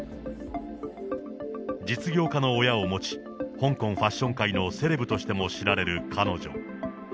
実業家の親を持ち、香港ファッション界のセレブとしても知られる彼女。